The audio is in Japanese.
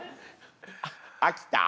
飽きた？